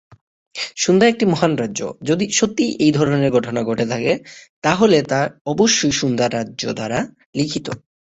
সুন্দা একটি মহান রাজ্য, যদি সত্যিই এই ধরনের ঘটনা ঘটে থাকে, তাহলে তা অবশ্যই সুন্দা রাজ্য দ্বারা লিখিত।